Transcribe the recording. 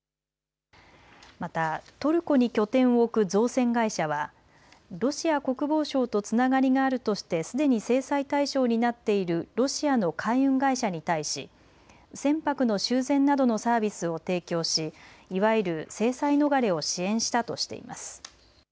またトルコに拠点を置く造船会社はロシア国防省とつながりがあるとしてすでに制裁対象になっているロシアの海運会社に対し船舶の修繕などのサービスを提供し、いわゆる制裁逃れを支援したとしています。